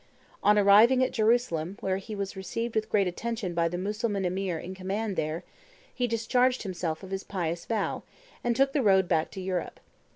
On arriving at Jerusalem, where he was received with great attention by the Mussulman emir in command there, he discharged himself of his pious vow, and took the road back to Europe.